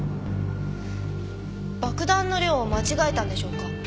爆弾の量を間違えたんでしょうか？